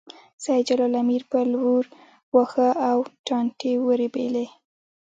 سېد جلال امیر په لور واښه او ټانټې ورېبلې